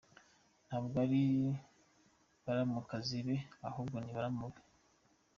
Ntabwo ari baramukazibe ahubwo ni baramu be.